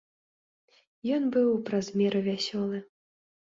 Ён быў праз меру вясёлы.